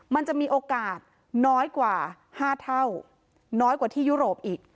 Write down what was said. มันจะมีโอกาสน้อยกว่า๕เท่าน้อยกว่าที่ยุโรปอีก